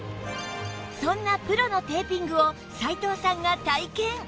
そんなプロのテーピングを齋藤さんが体験